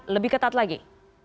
lebih ketat lagi